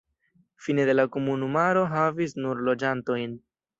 Fine de la komunumaro havis nur loĝantojn.